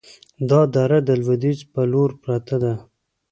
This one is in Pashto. دا دره د لویدیځ په لوري پرته ده،